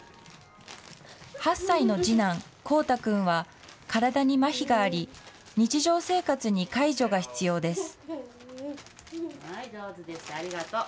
８歳の次男、煌太君は体にまひがあり、日常生活に介助が必要です。